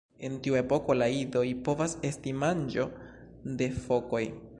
En tiu epoko la idoj povas esti manĝo de fokoj.